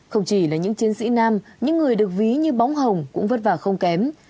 không chỉ là những chiến sĩ nam những người được ví như bóng hồng cũng vất vả không kém